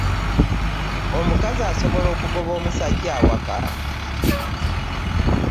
Omukazi asobola okugoba omusajja awaka?